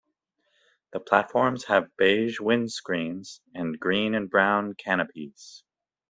The platforms have beige windscreens and green and brown canopies.